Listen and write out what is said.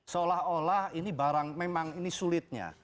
seolah olah ini barang memang ini sulitnya